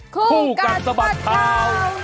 คู่กันสมัดเท้า